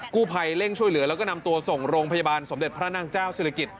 กู้ภัยเร่งช่วยเหลือแล้วก็นำตัวส่งโรงพยาบาลสมเด็จพระนางเจ้าศิริกิจ